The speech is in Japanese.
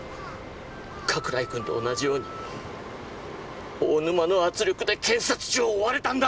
加倉井君と同じように大沼の圧力で検察庁を追われたんだ！